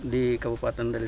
di kebupatan dari